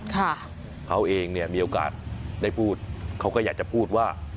ค่ะเขาเองเนี่ยมีโอกาสได้พูดเขาก็อยากจะพูดว่า